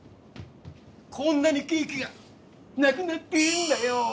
こんなにケーキがなくなっているんだよ。